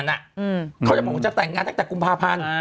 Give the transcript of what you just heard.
เขาจะบอกว่าจะแต่งงานตั้งแต่กุมภาพันธ์